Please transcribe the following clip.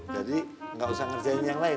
jadi gak usah ngerjain yang lain